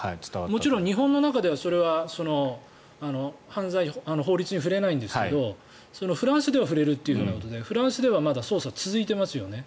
もちろん日本の中ではそれは法律に触れないんですがフランスでは触れるということでフランスではまだ捜査が続いていますよね。